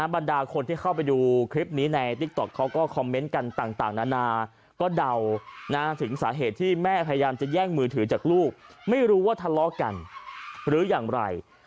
บรรดาคนที่เข้าไปดูคลิปนี้ในติ๊กต๊อกเขาก็คอมเมนต์กันต่างนานาก็เดาถึงสาเหตุที่แม่พยายามจะแย่งมือถือจากลูกไม่รู้ว่าทะเลาะกันหรืออย่างไร